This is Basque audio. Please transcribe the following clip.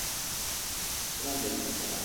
Zelan deitzen zara?